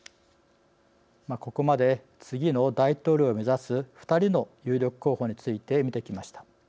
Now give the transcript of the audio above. ここまで次の大統領を目指す２人の有力候補について見てきました。